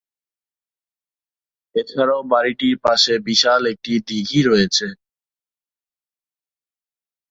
এছাড়াও বাড়িটির পাশে বিশাল একটি দীঘি রয়েছে।